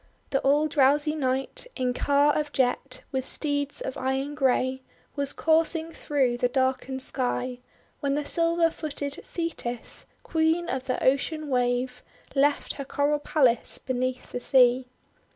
The all drowsy Night, in car of jet with steeds of iron grey, was coursing through the darkened sky, when the silver footed Thetis, Queen of the Ocean Wave, left her coral palace beneath the sea.